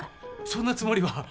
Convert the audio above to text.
そんなつもりは。